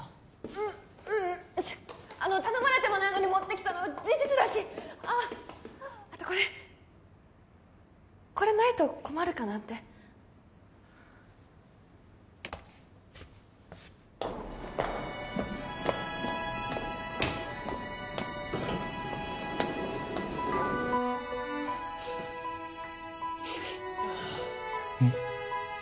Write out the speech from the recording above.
ううんあの頼まれてもないのに持ってきたのは事実だしあっあとこれこれないと困るかなってうん？